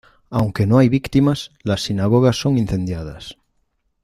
Aunque no hay víctimas, las sinagogas son incendiadas.